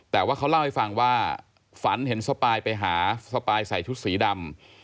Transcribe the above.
แต่ว่าเขาเล่าให้ฟังว่าฝันเห็นสปายไปหาสปายใส่ชุดสีดำ